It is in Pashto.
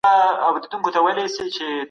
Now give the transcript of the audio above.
هیڅ حکومتي چارواکی له قانون څخه لوړ نه دی.